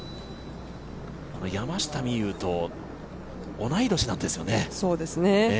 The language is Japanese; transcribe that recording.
この山下美夢有と同い年なんですよね。